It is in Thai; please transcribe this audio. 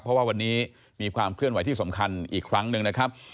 เพราะว่าวันนี้มีความเคลื่อนไหวที่สำคัญอีกครั้งหนึ่งนะครับ